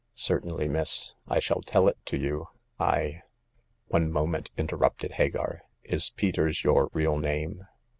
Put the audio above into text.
'*" Certainly, miss. I shall tell it to you. I "" One moment," interrupted Hagar. " Is Peters your real name